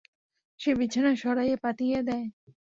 সে বিছানা সরাইয়া পাতিয়া দেয়।